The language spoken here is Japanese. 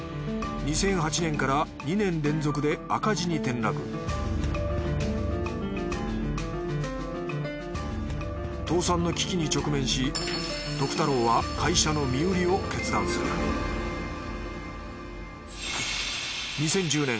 ２００８年から２年連続で赤字に転落倒産の危機に直面し太郎は会社の身売りを決断する２０１０年